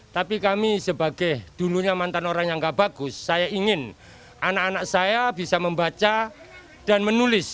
tapi kami sebagai dulunya mantan orang yang gak bagus saya ingin anak anak saya bisa membaca dan menulis